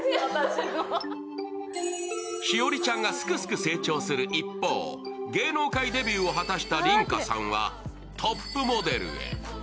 栞里ちゃんがすくすく成長する一方、芸能界デビューを果たした梨花さんはトップモデルへ。